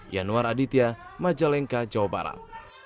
yanuar aditya majalengka jawa barat